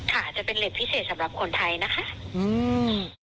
อาจจะเป็นเห็บพิเศษสำหรับคนไทยนะคะอืม